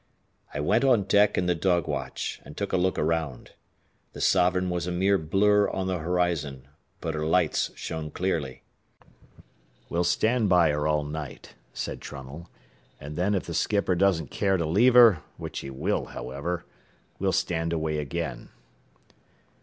I went on deck in the dog watch and took a look around. The Sovereign was a mere blur on the horizon, but her lights shone clearly. "We'll stand by her all night," said Trunnell, "and then if the skipper doesn't care to leave her, which he will, however, we'll stand away again."